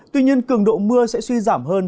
tuy nhiên cường độ mưa sẽ suy giảm hơn